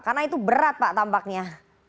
karena itu berat pak tampaknya